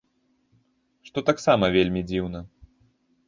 Што таксама вельмі дзіўна.